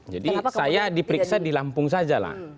saya diperiksa di lampung saja lah